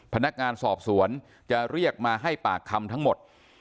พนักงานสอบสวนจะเรียกมาให้ปากคำทั้งหมด